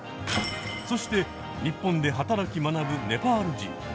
そしてニッポンで働き学ぶネパール人。